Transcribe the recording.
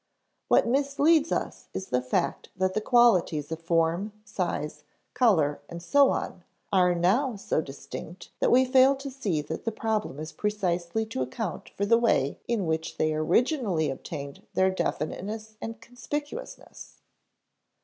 What misleads us is the fact that the qualities of form, size, color, and so on, are now so distinct that we fail to see that the problem is precisely to account for the way in which they originally obtained their definiteness and conspicuousness.